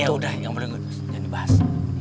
ya udah yang bener bener jangan dibahas